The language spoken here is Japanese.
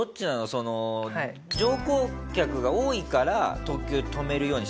その乗降客が多いから特急止めるようにしたの？